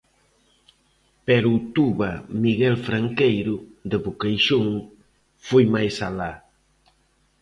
Pero o tuba Miguel Franqueiro, de Boqueixón, foi máis alá.